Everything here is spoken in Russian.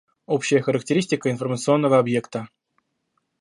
Общая характеристика информационного объекта.